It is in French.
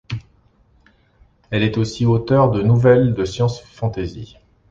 Elle est aussi auteur de nouvelles de science fantasy.